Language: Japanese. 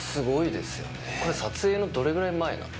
これ撮影のどれぐらい前なの？